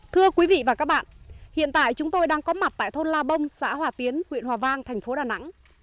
thưa quý vị và các bạn hiện tại chúng tôi đang có mặt tại thôn la bông xã hòa tiến huyện hòa vang thành phố đà nẵng